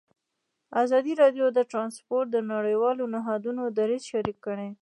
ازادي راډیو د ترانسپورټ د نړیوالو نهادونو دریځ شریک کړی.